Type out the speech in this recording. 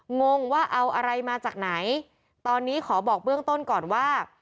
งงว่าเอาอะไรมาจากไหนตอนนี้ขอบอกเบื้องต้นก่อนว่า